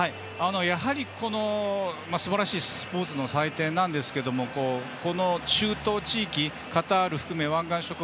やはり、すばらしいスポーツの祭典ですがこの中東地域、カタール含め湾岸諸国